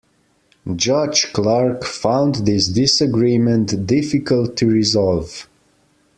Judge Clark found this disagreement difficult to resolve.